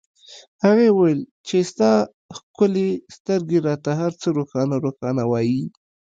هغې وویل چې ستا ښکلې سترګې راته هرڅه روښانه روښانه وایي